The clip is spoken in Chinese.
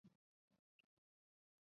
成为了这座岛的守护者。